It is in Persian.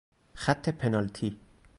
خط پنالتی